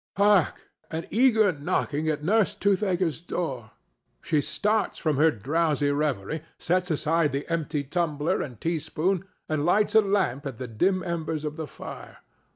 Hark! an eager knocking st Nurse Toothaker's door. She starts from her drowsy reverie, sets aside the empty tumbler and teaspoon, and lights a lamp at the dim embers of the fire.